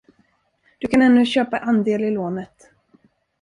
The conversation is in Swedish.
Du kan ännu köpa andel i lånet.